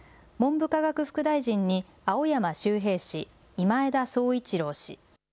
文部科学副大臣に青山周平氏、今枝宗一郎氏。